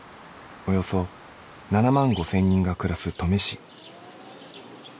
およそ７万５０００人が暮らす登米市。